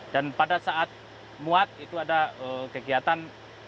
pada saat muat itu ada kegiatan